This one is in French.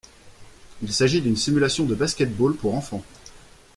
Il s’agit d’une simulation de basketball pour enfants.